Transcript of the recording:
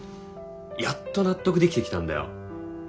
やっと納得できてきたんだよ